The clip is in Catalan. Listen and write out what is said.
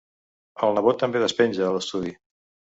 El nebot també despenja, a l'estudi.